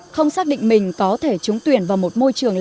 không xác định mình có thể chúng tuyển vào một môi trường lành